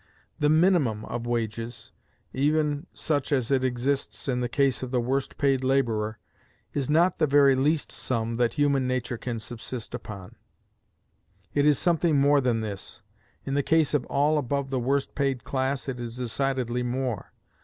The minimum of wages, even such as it exists in the case of the worst paid laborer, is not the very least sum that human nature can subsist upon: it is something more than this; in the case of all above the worst paid class it is decidedly more.